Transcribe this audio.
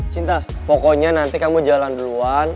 cinta pokoknya nanti kamu jalan duluan